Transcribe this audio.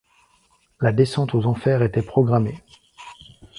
La descente aux enfers était programmée.